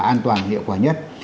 an toàn hiệu quả nhất